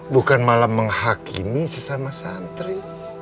bukan malah menghakimi sesama santri